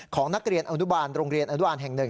ของนักเรียนอนุบาลโรงเรียนอนุบาลแห่ง๑